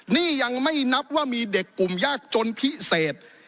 นี่ยังไม่นับว่ามีเด็กกลุ่มยากจนพิเศษ